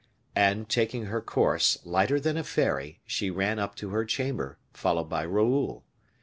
And taking her course, lighter than a fairy, she ran up to her chamber, followed by Raoul.